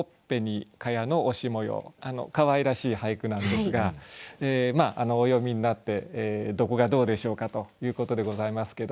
かわいらしい俳句なんですがお読みになってどこがどうでしょうかということでございますけど。